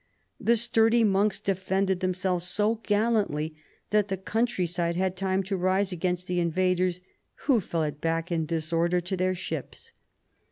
The sturdy monks defended themselves so gallantly that the country side had time to rise against the invaders, who fled back in disorder to their ships.